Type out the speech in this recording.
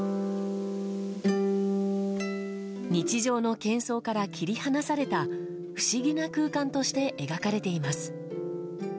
日常の喧騒から切り離された不思議な空間として描かれています。